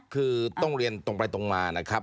คือต้องเรียนตรงไปตรงมานะครับ